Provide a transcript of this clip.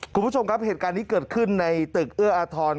คุณผู้ชมครับเหตุการณ์นี้เกิดขึ้นในตึกเอื้ออาทร